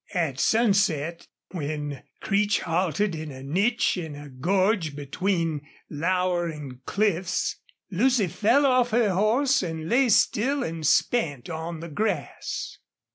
At sunset, when Creech halted in a niche in a gorge between lowering cliffs, Lucy fell off her horse and lay still and spent on the grass.